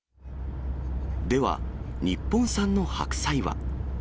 では、日本産の白菜は。